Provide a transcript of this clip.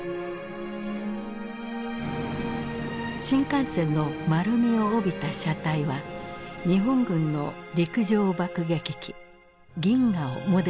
新幹線の丸みを帯びた車体は日本軍の陸上爆撃機銀河をモデルにしてつくられた。